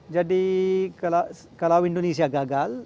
jadi kalau indonesia gagal